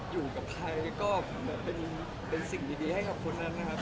อยู่กับใครก็เหมือนเป็นสิ่งดีให้กับคนนั้นนะครับ